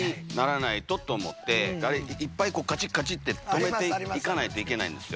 いっぱいガチガチって留めて行かないといけないんですよ。